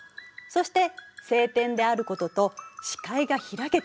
そして晴天であることと視界が開けていること。